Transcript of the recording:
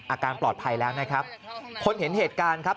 อาการปลอดภัยแล้วนะครับ